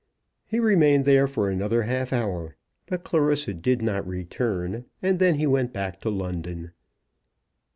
He remained there for another half hour; but Clarissa did not return, and then he went back to London.